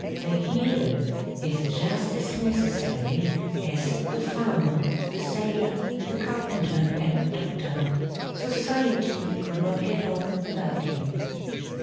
The hero is just as necessary as the farmer, the sailor, the carpenter and the doctor; society could not get on without him.